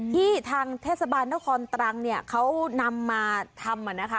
ที่ทางเทศบาลนครตรังเนี่ยเขานำมาทำนะคะ